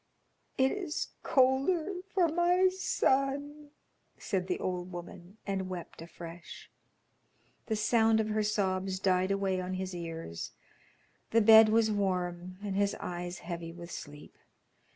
"It is colder for my son," said the old woman, and wept afresh. The sound of her sobs died away on his ears. The bed was warm, and his eyes heavy with sleep.